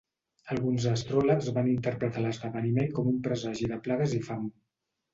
Alguns astròlegs van interpretar l'esdeveniment com un presagi de plagues i fam.